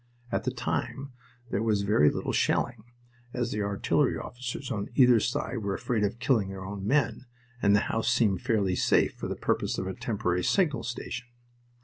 At the time there was very little shelling, as the artillery officers on either side were afraid of killing their own men, and the house seemed fairly safe for the purpose of a temporary signal station.